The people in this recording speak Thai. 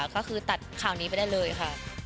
ก็คือตัดข่าวนี้ไปได้เลยค่ะ